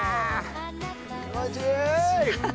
気持ちいい！